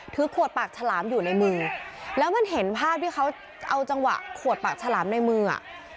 ถือขวดปากฉลามอยู่ในมือแล้วมันเห็นภาพที่เขาเอาจังหวะขวดปากฉลามในมืออ่ะ